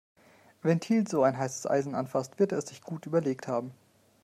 Wenn Thiel so ein heißes Eisen anfasst, wird er es sich gut überlegt haben.